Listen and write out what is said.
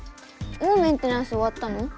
もうメンテナンスおわったの？